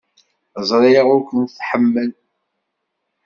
Ẓriɣ ur k-tḥemmel.